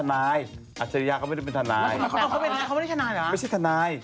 ก็ไม่ได้ก็ไม่ได้วันนี้กับที่ทนาย